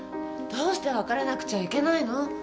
どうして別れなくちゃいけないの？